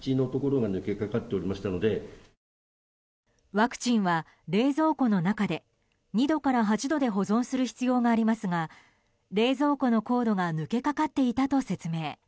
ワクチンは冷蔵庫の中で２度から８度で保存する必要がありますが冷蔵庫のコードが抜けかかっていたと説明。